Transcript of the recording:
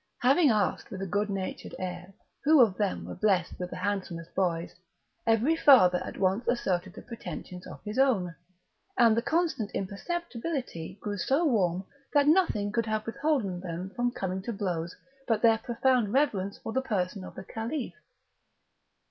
Having asked with a good natured air who of them were blessed with the handsomest boys, every father at once asserted the pretensions of his own, and the contest imperceptibly grew so warm that nothing could have withholden them from coming to blows but their profound reverence for the person of the Caliph.